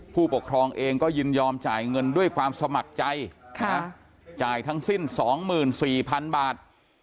ผู้ปกครองเองก็ยินยอมจ่ายเงินด้วยความสมัครใจจ่ายทั้งสิ้น๒๔๐๐๐บาท